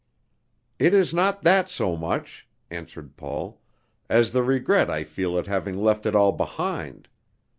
"It is not that so much," answered Paul, "as the regret I feel at having left it all behind.